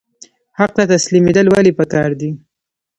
حق ته تسلیمیدل ولې پکار دي؟